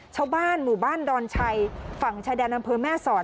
ชาวบ้านหมู่บ้านดอนชัยฝั่งชายแดนอำเภอแม่สอด